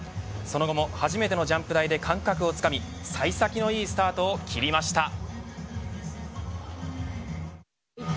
その後も、初めてのジャンプ台で感覚をつかみ幸先のいいスタートを切りました。